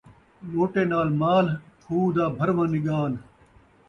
لوٹے ناں مالھ ، کھوہ دا بھرواں نڳال